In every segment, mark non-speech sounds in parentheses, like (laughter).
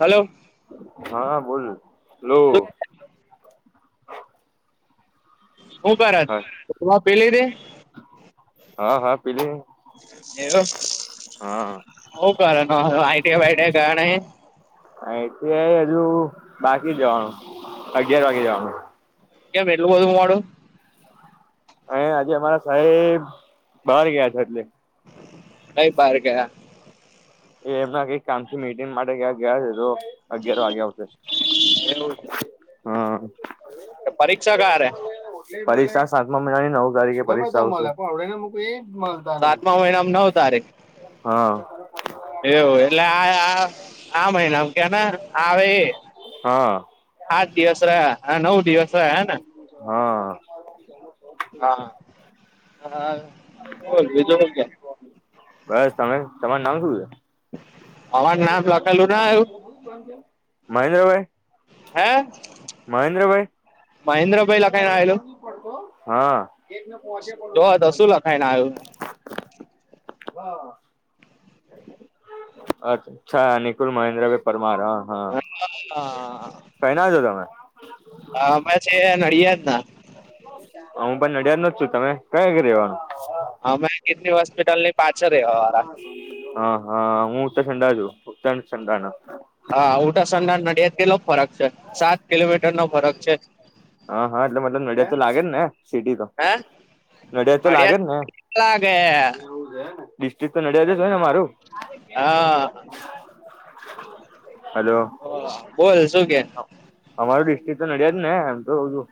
Hello. Hello. હું પારત હા તમા પેલી દે હા હા પીલી. એવ હ હા કરનું આઈડિયા વાઈટિયા (unintelligible) આઆઈ હજુ બાકી જવાનું અગિયાર વાગે જવાનું. કેમ એટલું બધું (unintelligible) અ આજે અમારા સાહેબ બહાર ગયા છે એટલે. કઈ બાર ગયા? એ એમ ના કઈ કામથી મિટિંગ માટે ક્યાં ગયા છે તો અગિયાર વાગે આવશે. એવું છે હમ. પરીક્ષા ક્યારેે? પરીક્ષા સાતમા મહિનાની નવ તારીખે પરીક્ષા આવશે. મળતા નહી સાતમા મહિનામાં નવ તારીખ હા. એવું એટલે આ આ મહિના કે આવે એ? હા આત દિવસ રહ્યા હા નવ દિવસ રહ્યા હેને? હા. હા હા. બસ તમે તમાર નામ શું છે? અમારું નામ લખેલું ના આવ્યું મહેન્દ્રભાઈ? હે? મહેન્દ્રભાઈ? મહેન્દ્રભાઈ લખાઈને આવેલું (inaudible) હા જો (inaudible) (unintelligible) આવ્યું. અછા નિકુલ મહેન્દ્રભાઈ પરમાર હા. હા કઈ ના આવ છો તમે? હા અમે છે નડિયા જ ના. હું પણ નડિયાદ ન જ છું તમે કયા ઘ રેવાનું. એ હ હોસ્પિટલ પાછળ રહેવા વાળા હા હા હું ઉત્તર ચડા છું ઉત્તણ સંંડાના. હા ઉત્તરસંડા ના નડિયાદ કેટલો ફરક છે સાત કિલોમીટર નો ફરક છે. હા હા એટલે મતલબ નડિયાદ તો લાગે જ ને સિટી તો હે નડિયાદ તો લાગે ને. લાગે એવું છે હેંને? ડિસ્ટ્રિક તો નડિયાદ જ હોય ને મારું. હ બોલ શું કે? અમારું તો નડિયા જ ને એમ તો તું.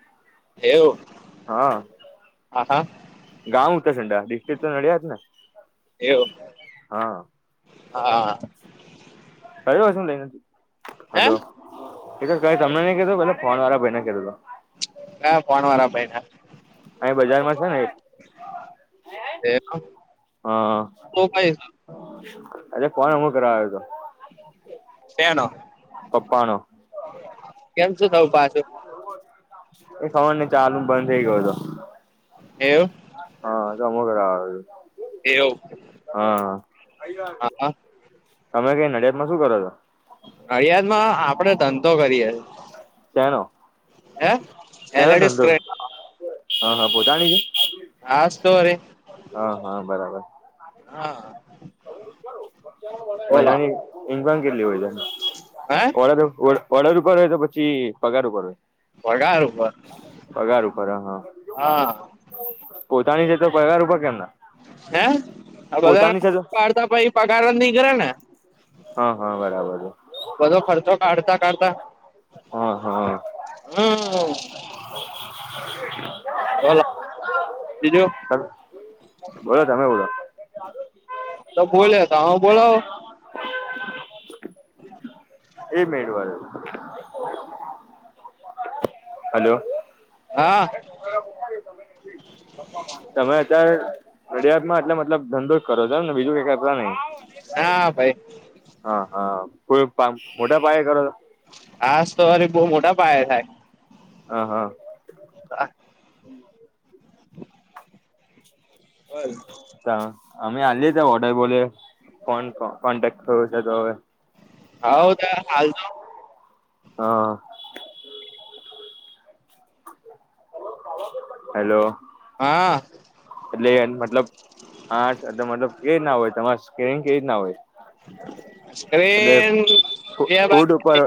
એવું? હા. હા હા. ગાઉ તો ડા ડિસ્ટિક તો નડ્યા જ ને. હા હા. (unintelligible) ક તમને હે નઈધ પ ફોન વાળા ભાઈ કતો. ના ફન વાળા ભાઈ ને. અહીં બજારમાં છે ને એક (unintelligible) અ કોણ અમુ કરાવ્યો હતો? શનો? પપ્પા નો. કેમ શું થવું પાછું? એ ખબર નને ચાલનું બંધ થઇ ગયો હતો. એવ. હા તો અમુ ઘરે આવે છ. એવુ. હા હા. તમે કઈ નડિયાદમાં શું કરો છો? નડિયાદ માં આપડે ધંધો કરીએે. શાનો? (unintelligible) હા હા પોતાની છે. હસ્તો અરે. હા હા બરાબર હા બોલો મહિનાની ઇન્ક્વાન કેટલી હોયત. હે ઓ તો પડર ઉપર હોય તો પછી પગાર ઉપર હોય. પગાર ઉપર પગાર ઉપર હ હા. હા પોતાની છે. તો પરિવાર ઉપર કેમ? ના હે પોતાની છે તો બધાડતા પ પગાર નહી કરે ને. હા હા બરાબર છે. બધો ખર્ચો કાઢતા-કાઢતા હા હા. બોલો બીજું બોલો તમે બોલો. તો બોલે તો હ બોલોવ. એ મેળવાનું. હલો. હા. નડિયાદ માં એટલે મલબ ધંધો જ કરો ને બીજું કઈક નહી હા ભાઈ હા હા કોઈ પા મોટા પાયા કરો? આજ તો વારે બહ મોટા પાયા થાય. હ હ. (inaudible) હવ અમે આએ ત ઓર્ડર બોલે ફ કોન્ટેક્ટ થયો છે તો હવે. હ ત હાલ તો. હા. હલો. હા એટલે મતલબ આટ મતલબ કે ના હોય તમાર કેમ કે એ જ ના હોય છે. એ. ફૂડ (unintelligible) ઉપર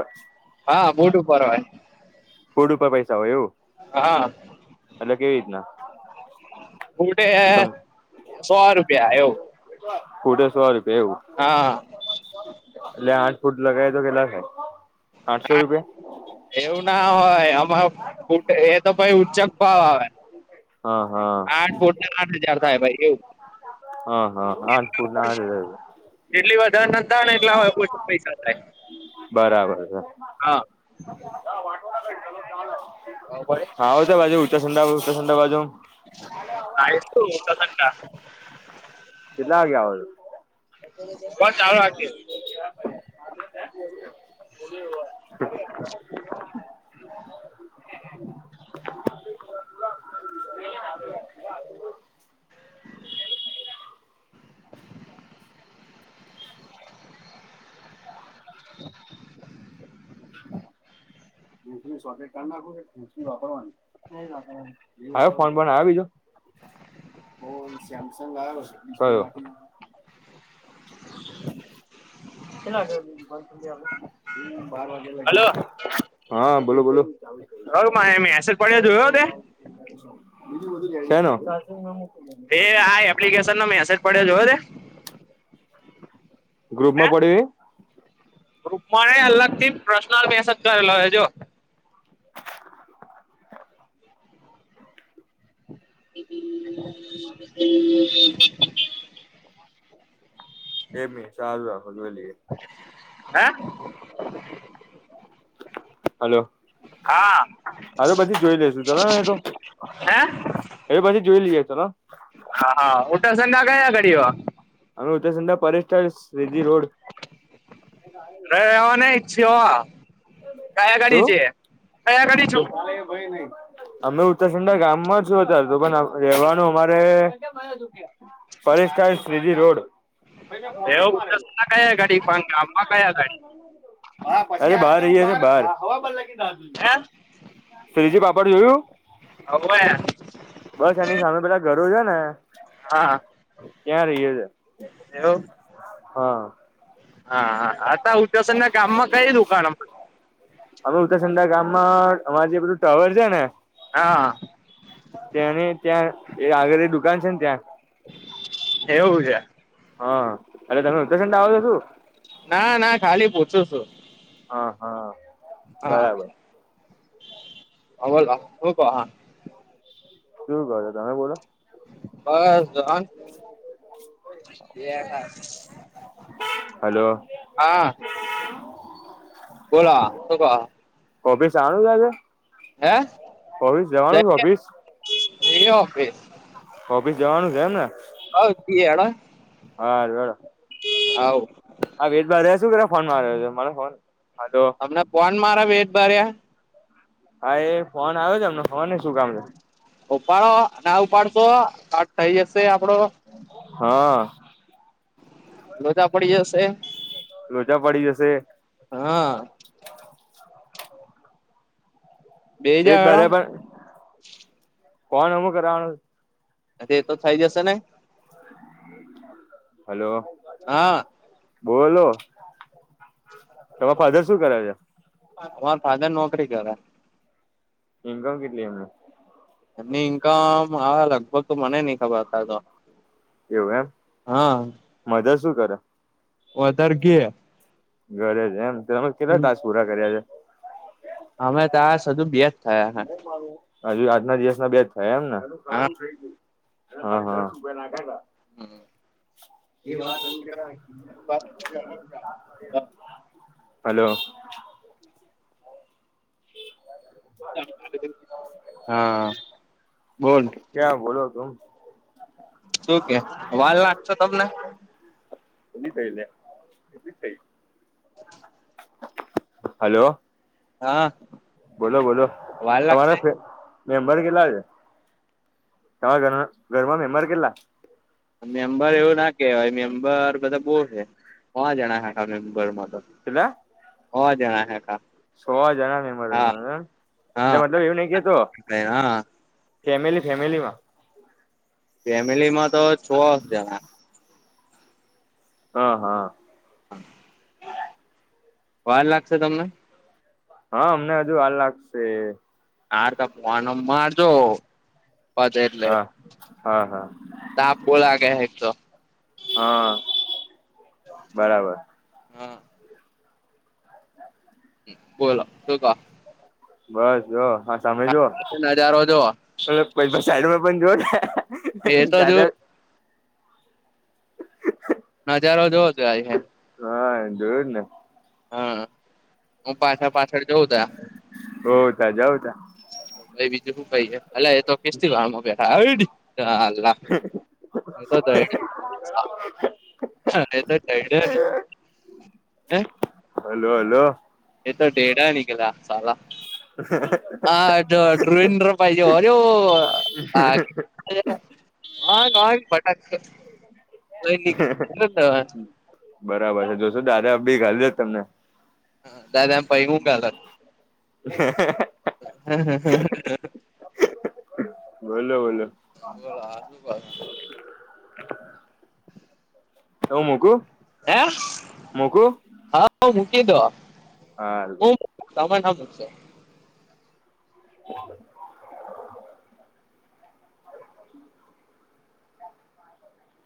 હા બૂટ ઉપર હોય ફોડ ઉપર પૈસા હોય એવું હા એટ કેવી રીતના બટે સમ સો રૂપિયા એવું કુટે સો રૂપિયા એવું હા એટલે આઠ ફૂટ લગાવ તો કેટલાકે ના એવું ના હોય આમાં ફૂટે એ તો પ ચકપા આવે હા હા આઠ ફૂટના આઠ હજાર થાય ભાઈ એવું હા હા આઠ ફૂટના આઠ હજાર તણ એટલા હોયછ પૈસા થાય. બરાબર છે હા. બરોબર (inaudible) હા હો તો બાજુ ઉચાં ઉચાચંડા બાજુ આવીશ (unintelligible) કેટલા વાગે આવો છો? બાઈ ચાલુ રાખજે. (inaudible) (inaudible) (inaudible) (inaudible) (inaudible) ના વાપરવા આવ ફોન પણ આવ બીજો? ઓ સેમસંગ આવ કયો? (inaudible) હલો (unintelligible) હા બોલો બોલો. હવે મારે મેસેજ પડ્યો જોયો તે સેનો. એ આ એપ્લિકેશન નો મેસેજ પડ્યો જો તે? ગ્રુપ હે? માં પડ્યું એ? ગ્રુપમાં અલગ થી પ્રર્શનલ મેસેજ કરેલો જો. (inaudible) એમી સારું રાખો જો લઈએ. હે. હલો હા હ પછી જોઈ લેેશુ ચલો ને એ તો. હે હા એ પછી જોઈ ચલો. પ્રસંગ કયા ઘડી વા. અમે (unintelligible) શ કયા ઘાડી શું છે કયા ઘાડી છું? અમે ઉત્તરસંડા ગામમાં જ છું અત્યારે તો પણ રેવાનું અમારે એવું ઉટરસન ના કયા ગાડી પણ ગામમાં કયા ગાડી (unintelligible) રોડ (unintelligible) (unintelligible) બાર હે શ્રીજી પાપડ જોયું (inaudible) બસ એની સામે પેલા ઘરો છે ને હા ત્યાં રહીએ છે એવુ હા. હા આ ઉતસનના ગામમાં કઈ દુકાન અમે ઉત્તરસંદા ગામમાં અમાર જે બધું ટાવર છે, ને હા. ત્યાને ત્યાં એ આગળી એ દુકાન છે ને ત્યાં એવું છે અને તમે (unintelligible) નાના ખાલી પૂછો છું. હાહા બરાબર. હ બોલો હુક હા. કેવું કહો છો તમે બોલો? બસ જ્હન. હલો હા. બોલા સુ કો હો? કોપી (unintelligible) આજે હે. ઓફિસ જવાનું ઓફિસ એ હોગે ઓફિસ જવાનું છે એમ ને હવ જઈએ હેડો હારૂ હેડો હવ આ વેદ બાર રહ્યા શું પેલો ફોન માર્યો છે, મારે ફોન હા તો અમને ફોન મારા બેટ માર્યા હા એ ફોન આવ્યો છે, એમને ખબરની શું કામ છે. ઉપાડો ના ઉપાડશો કટ થઈ જશે આપડો હા. લોચા પડી જશે લોચા પડી જશે હા. બેહી જા એજ હેડો બધા પણ ફોન અમુ કરાવાનો એ તો થઈ જશે ને હલો હા બોલો તમારા ફાધર શું કરે છે? અમાર ફાધર નોકરી કરે ઇન્કમ કેટલી એમને એમની ઈનકમ હવે લગભગ તો મને ની ખબર તાતો એવું એમ હા મધર શું કરે? ઓતાર કે ઘરે છે એમ તમે કેટલા ટાસ્ક પૂરા કર્યા છે. અમે ટાસ્ક હજુ બેજ થયા હે હજુ આજના દિવસના બે થયા એમ ને હ હા હ (unintelligible) એ વાત (unintelligible) (inaudible) હલો. હા બોલ ક્યા બોલો તું. શું કે વાલ નાખશો તમને. એલી થઈ લ્યા એ થઈ. (unintelligible) હલો. હા. બોલો-બોલો. વાર લાગશે? મેમ્બર કેટલા છે, તમારા ઘર ઘરમાં મેમ્બર કેટલા મેમ્બર એવું ના કેવાય મેમ્બર બધા બહુ છે, હો જણા આખાં મેમ્બરમાં કેટલા હ જણા હે આખાં સો જણા મેમ્બર તમારા એટલે હા મતલબ એવું નહી કેતો હા ફેમિલી ફેમિલીમાં ફેમિલીમાં તો છો જણા હ, હ વાર લાગશે તમને? હા અમને હજુ વાર લાગશે હારુ તો ફનો મારજો પતે એટલે હા હા હા તાપ બો લાગે હે એક તો હ બરાબર. હા બોલો શું કો બસ જો હા સામે જુઓ નજારો જોવો પેલો ભઈબંધ સાઈડમાં પણ જોઓ એ તો જો નજારો જોવ જો આ હ જોયુંજ ને હા હું પાછા પાછળ જોઉં હોવ ત જાઉતા ભઈ બીજું શું કહી અ એ તો કેસ થી વાળમાં બેઠા હઈડ હ અલ્લાહ એ તો (inaudible) હા એ તોઈડ ને હે હલો હલો યે તો ઢેડા નિકલા સાલા (unintelligible) હા જો ડ્રાંઇન ડ્રાંઇન પાઇજો ઐરો આ ખે હ પટાકવા (unintelligible) બરાબર છે જોજો દાદા અબી ગાલ દેત તમને. હ દાદા પઇ હું ગાલત હમ્મ હમ્મ બોલો બોલો (inaudible) બોલો આ શું કો છો હું મૂકું હે મૂકું હા હ મૂકી દો હા તમે ના મુકશો. (unintelligible)